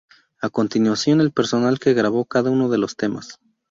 A continuación el personal que grabó cada uno de los temas.